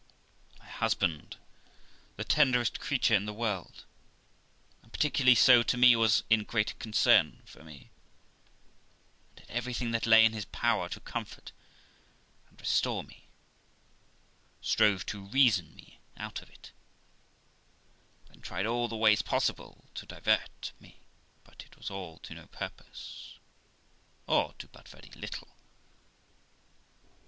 My husband, the tenderest creature in the world, and particularly so to me, was in great concern for me, and did everything that lay in his power to comfort and restore me; strove to reason me out of it; then tried all the ways possible to divert me: but it was all to no purpose, or to but very little.